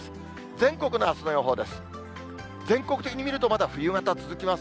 全国のあすの予報です。